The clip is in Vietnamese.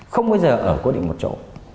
không bao giờ ở cố định một chỗ